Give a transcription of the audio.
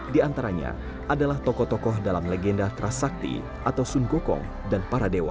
di antaranya adalah tokoh tokoh dalam legenda kerasakti atau sun gokong dan para dewa